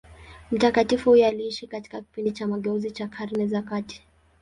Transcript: Mtakatifu huyo aliishi katika kipindi cha mageuzi cha Karne za kati.